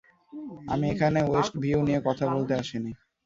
আমি এখানে ওয়েস্টভিউ নিয়ে কথা বলতে আসিনি।